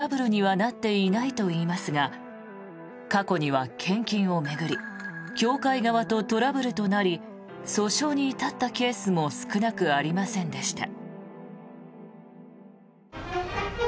母親が破産したことについて旧統一教会側とトラブルにはなっていないといいますが過去には献金を巡り教会側とトラブルとなり訴訟に至ったケースも少なくありませんでした。